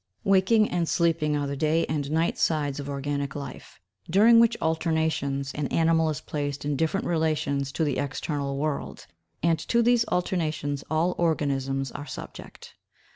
Waking and sleeping are the day and night sides of organic life, during which alternations an animal is placed in different relations to the external world, and to these alternations all organisms are subject.